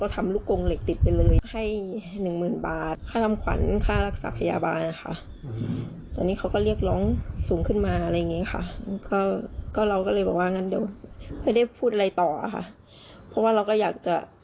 ติดตามคารีไปก่อน